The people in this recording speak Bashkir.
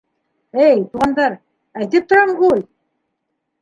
— Эй, туғандар, әйтеп торам ғуй.